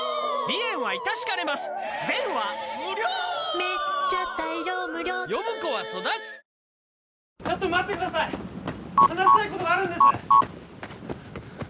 おめでとうちょっと待ってください話したいことがあるんです